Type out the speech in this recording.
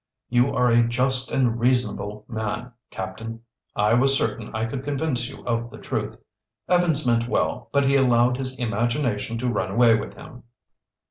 "You are a just and reasonable man, Captain. I was certain I could convince you of the truth. Evans meant well, but he allowed his imagination to run away with him."